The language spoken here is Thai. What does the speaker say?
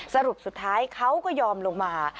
สรุปสุดท้ายเขาก็ยอมลงมา